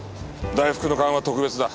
大福の勘は特別だ。